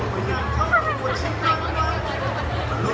ส่งบริงารเข้าโรงชีวิตน้ำน้อย